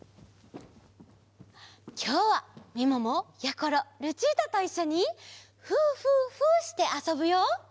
きょうはみももやころルチータといっしょに「ふーふーふー」してあそぶよ。